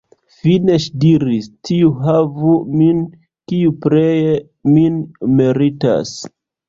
Fine ŝi diris: "Tiu havu min, kiu pleje min meritas".